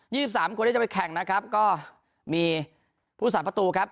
ี่สิบสามคนที่จะไปแข่งนะครับก็มีผู้สามประตูครับ